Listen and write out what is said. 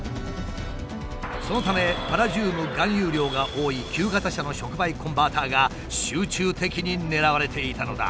そのためパラジウム含有量が多い旧型車の触媒コンバーターが集中的に狙われていたのだ。